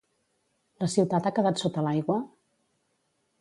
La ciutat ha quedat sota l'aigua?